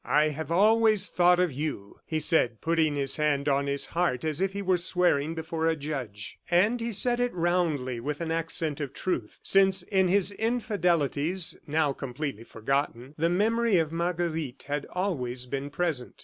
"I have always thought of you," he said putting his hand on his heart, as if he were swearing before a judge. And he said it roundly, with an accent of truth, since in his infidelities now completely forgotten the memory of Marguerite had always been present.